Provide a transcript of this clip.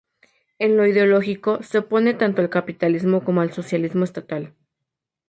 En lo ideológico, se opone tanto al capitalismo como al socialismo estatal.